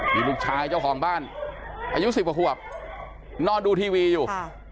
นี่ลูกชายเจ้าของบ้านอายุ๑๐กว่าขวบนอนดูทีวีอยู่